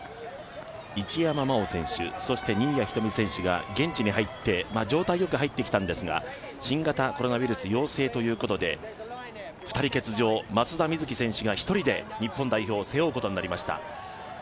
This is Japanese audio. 一山麻緒選手そして新谷仁美選手が現地に入って、状態良く入ってきたんですが新型コロナウイルス陽性ということで２人欠場、松田瑞生選手が１人で日本代表を背負うことになりました。